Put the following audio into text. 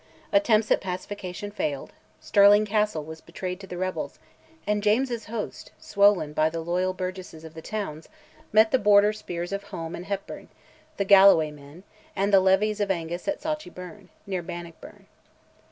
Attempts at pacification failed; Stirling Castle was betrayed to the rebels, and James's host, swollen by the loyal burgesses of the towns, met the Border spears of Home and Hepburn, the Galloway men, and the levies of Angus at Sauchie Burn, near Bannockburn.